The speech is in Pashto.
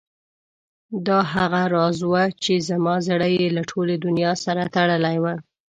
دا هغه راز و چې زما زړه یې له ټولې دنیا سره تړلی و.